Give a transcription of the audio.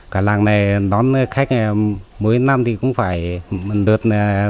cả làng này đón khách mỗi năm thì cũng phải được